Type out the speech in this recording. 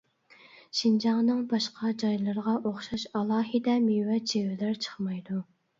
شىنجاڭنىڭ باشقا جايلىرىغا ئوخشاش ئالاھىدە مېۋە-چىۋىلەر چىقمايدۇ.